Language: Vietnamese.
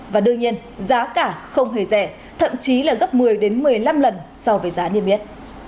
và đương nhiên giá cả không hề rẻ thậm chí là gấp một mươi một mươi năm lần so với giá niêm yết